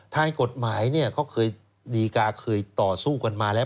ทางกฎหมายเนี่ยเขาเคยดีกาเคยต่อสู้กันมาแล้ว